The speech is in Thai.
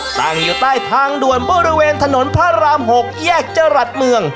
ตั้งอยู่ใต้ทางด่วนบริเวณถนนพระราม๖แยกจรัสเมือง